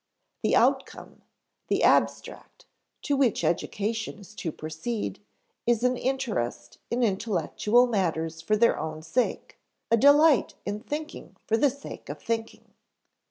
The outcome, the abstract to which education is to proceed, is an interest in intellectual matters for their own sake, a delight in thinking for the sake of thinking.